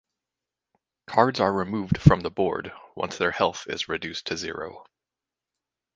Cards are removed from the board once their health is reduced to zero.